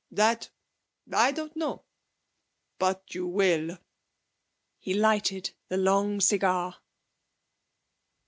'That I don't know. But you will.' He lighted the long cigar.